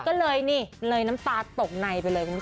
ก็เลยนี่เลยน้ำตาตกในไปเลยคุณผู้ชม